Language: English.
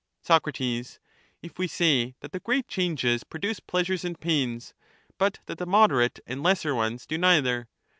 Soc, If we say that the great changes produce pleasures and pains, but that the moderate and lesser ones do neither.